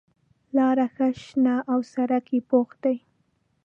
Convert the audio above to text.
لاره ښه شنه او سړک یې پوخ دی.